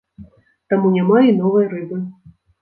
Таму няма і новай рыбы.